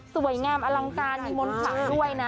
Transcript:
สวยงามอลังการมีมนต์ขวัญด้วยนะ